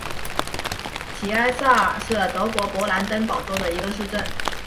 齐埃萨尔是德国勃兰登堡州的一个市镇。